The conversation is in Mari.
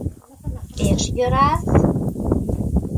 Пеш йӧрас...